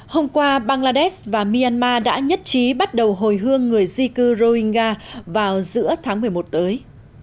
hôm qua bangladesh và myanmar đã nhất trí bắt đầu hồi hương người di cư roingga vào giữa tháng một mươi một tới